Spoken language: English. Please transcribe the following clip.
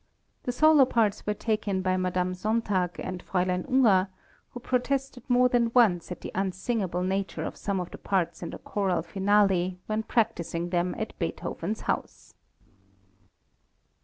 The solo parts were taken by Madame Sontag and Fräulein Unger, who protested more than once at the unsingable nature of some of the parts in the Choral Finale when practising them at Beethoven's house.